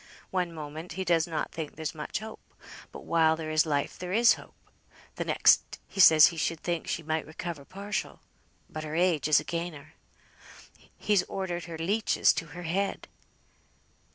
One moment he does not think there's much hope but while there is life there is hope; th' next he says he should think she might recover partial, but her age is again her. He's ordered her leeches to her head."